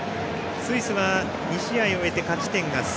スイスは２試合終えて勝ち点が３。